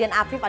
nanti aku jalan